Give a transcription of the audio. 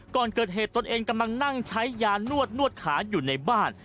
ก่อนเกิดเหตุตนเองกำลังนั่งใช้ยานวดนวดขาอยู่ในบ้าน